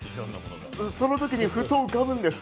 そのときにふと浮かぶんです。